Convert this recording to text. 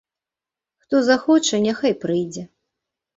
Хто захоча, няхай прыйдзе.